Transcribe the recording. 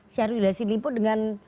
syahrul yassin limpo dengan